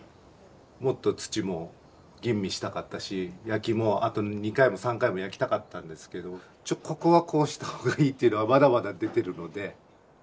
もっと土も吟味したかったし焼きもあと２回も３回も焼きたかったんですけどちょっとここはこうした方がいいっていうのはまだまだ出てるので。